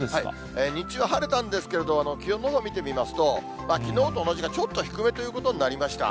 日中は晴れたんですけれど、気温のほう見てみますと、きのうと同じか、ちょっと低めということになりました。